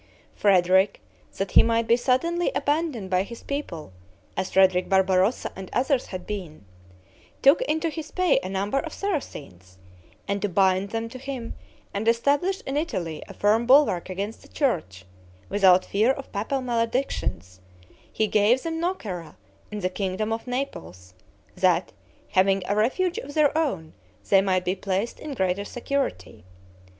Frederick, that he might be suddenly abandoned by his people, as Frederick Barbarossa and others had been, took into his pay a number of Saracens; and to bind them to him, and establish in Italy a firm bulwark against the church, without fear of papal maledictions, he gave them Nocera in the kingdom of Naples, that, having a refuge of their own, they might be placed in greater security.